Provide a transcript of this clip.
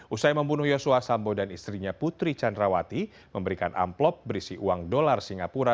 usai membunuh yosua sambo dan istrinya putri candrawati memberikan amplop berisi uang dolar singapura